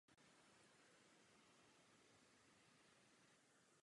Stuhu tvořily tři stejně široké pruhy.